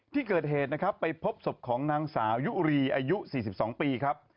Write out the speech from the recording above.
ที่เกิดเหตุนะครับไปพบศพของนางสาวยุรีอายุ๔๒ปีครับ